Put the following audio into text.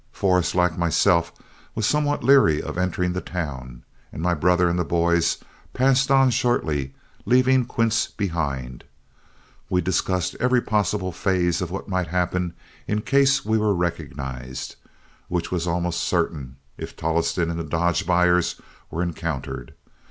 Forrest, like myself, was somewhat leary of entering the town, and my brother and the boys passed on shortly, leaving Quince behind. We discussed every possible phase of what might happen in case we were recognized, which was almost certain if Tolleston or the Dodge buyers were encountered.